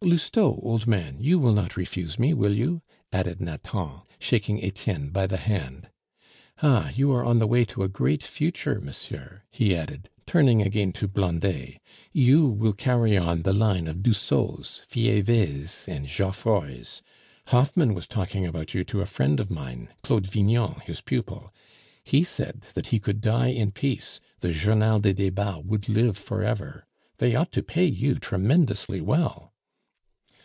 Lousteau, old man, you will not refuse me, will you?" added Nathan, shaking Etienne by the hand. "Ah, you are on the way to a great future, monsieur," he added, turning again to Blondet; "you will carry on the line of Dussaults, Fievees, and Geoffrois! Hoffmann was talking about you to a friend of mine, Claude Vignon, his pupil; he said that he could die in peace, the Journal des Debats would live forever. They ought to pay you tremendously well."